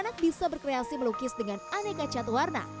anak bisa berkreasi melukis dengan aneka cat warna